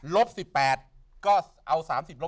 ลบ๑๘ก็เอา๓๐ลบ